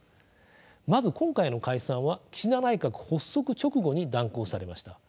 まず今回の解散は岸田内閣発足直後に断行されました。